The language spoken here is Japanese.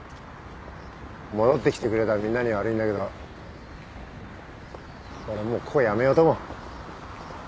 戻ってきてくれたみんなには悪いんだけど俺もうここ辞めようと思う。